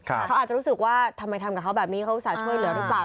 เขาอาจจะรู้สึกว่าทำไมทำกับเขาแบบนี้เขาอุตส่าห์ช่วยเหลือหรือเปล่า